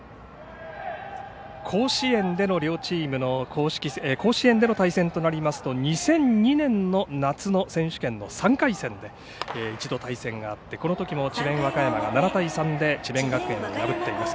甲子園での両チームの対戦となりますと２００２年の夏の選手権の３回戦で一度、対戦があってそのときも智弁和歌山が７対３で智弁学園を破っています。